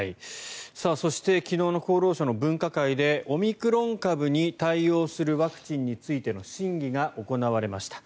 そして昨日の厚労省の分科会でオミクロン株に対応するワクチンについての審議が行われました。